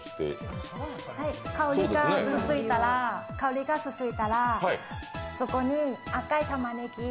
香りがついたら、そこに赤いたまねぎを。